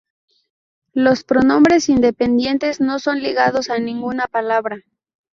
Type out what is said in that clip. Los pronombres independientes no son ligados a ninguna palabra.